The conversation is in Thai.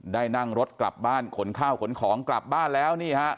นั่งรถกลับบ้านขนข้าวขนของกลับบ้านแล้วนี่ฮะ